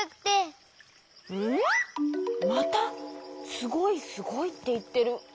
また「すごいすごい」っていってる。